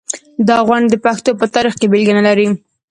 دا غونډ د پښتو په تاریخ کې بېلګه نلري.